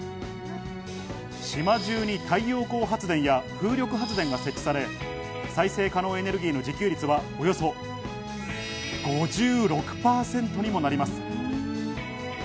島中に太陽光発電や風力発電が設置され、再生可能エネルギーの自給率はおよそ５６％にもなります。